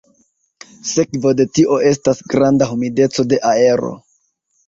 Sekvo de tio estas granda humideco de aero.